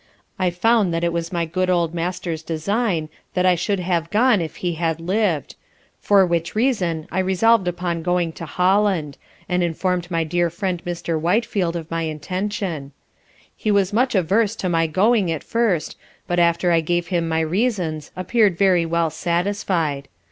I found that it was my good old Master's design that I should have gone if he had lived; for which reason I resolved upon going to Holland, and informed my dear friend Mr. Whitefield of my intention; he was much averse to my going at first, but after I gave him my reasons appeared very well satisfied.